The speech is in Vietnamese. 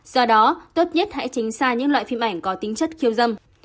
do đó tốt nhất hãy tránh xa những loại phim ảnh có tính chất khiêu dâm